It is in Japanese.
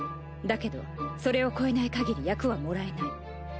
だけどそれを越えないかぎり役はもらえない。